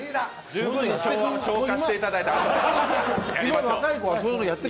十分消化していただいて。